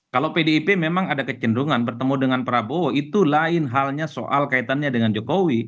kalau pdip memang ada kecenderungan bertemu dengan prabowo itu lain halnya soal kaitannya dengan jokowi